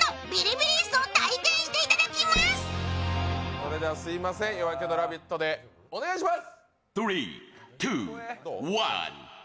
それではすみません、「夜明けのラヴィット！」でお願いします。